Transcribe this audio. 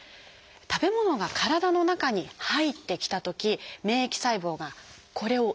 食べ物が体の中に入ってきたとき免疫細胞がこれを異物と捉えます。